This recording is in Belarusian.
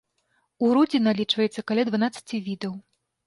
У родзе налічваецца каля дванаццаці відаў.